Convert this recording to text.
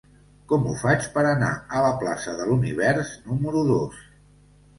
Com ho faig per anar a la plaça de l'Univers número dos?